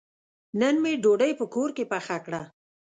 نن مې ډوډۍ په کور کې پخه کړه.